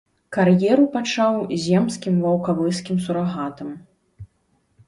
Кар'еру пачаў земскім ваўкавыскім сурагатам.